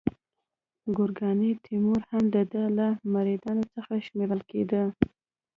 ګورکاني تیمور هم د ده له مریدانو څخه شمیرل کېده.